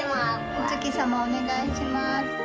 お月様、お願いします。